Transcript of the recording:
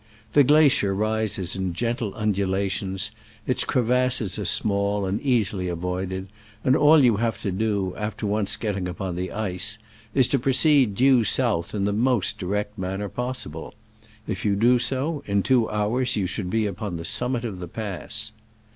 The glacier rises in gentle undulations, its crevasses are small and easily avoided, and all you have to do, after once getting upon the ice, is to pro ceed due south in the most direct man ner possible. If you do so, in two hours you should be upon the summit of the pass.